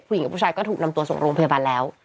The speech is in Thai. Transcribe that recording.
ผู้หญิงกับผู้ชายก็ถูกนำตัวส่งลงพยาบาลแล้ว